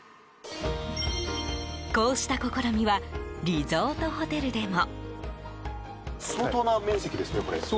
こうした試みはリゾートホテルでも。